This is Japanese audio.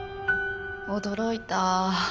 驚いた。